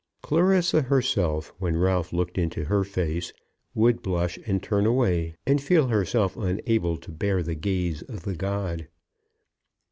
Clarissa herself, when Ralph looked into her face, would blush and turn away, and feel herself unable to bear the gaze of the god.